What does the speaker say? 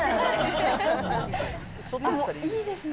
いいですね。